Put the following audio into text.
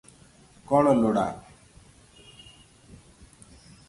କ’ଣ ଲୋଡ଼ା?